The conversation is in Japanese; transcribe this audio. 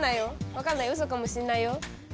わかんないうそかもしんないよ。